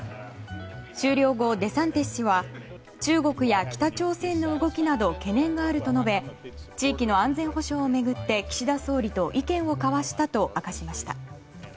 終了後、デサンティス氏は中国や北朝鮮の動きなど懸念があると述べ地域の安全保障を巡って岸田総理と意見を交わしたと明かしました。